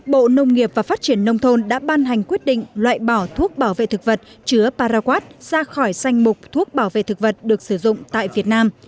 bộ nông nghiệp và phát triển nông thôn đã ban hành quyết định loại bỏ thuốc bảo vệ thực vật chứa paraguat ra khỏi danh mục thuốc bảo vệ thực vật được sử dụng tại việt nam